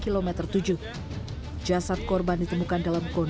lantaran sudah pudar basah terendam air